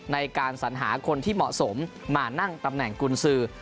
ในการสัญหาคนที่เหมาะสมมานั่งตำแหน่งกุญสือ